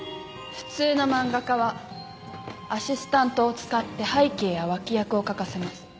普通の漫画家はアシスタントを使って背景や脇役を描かせます。